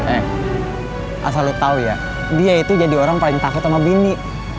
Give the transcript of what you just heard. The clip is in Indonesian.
eh asal lo tau ya dia itu jadi orang paling takut sama bini